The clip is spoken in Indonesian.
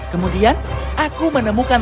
kemudian aku menemukan